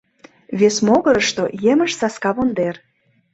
Вес могырышто емыж-саска вондер.